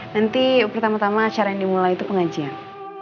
nanti pertama tama acara yang dimulai itu pengajian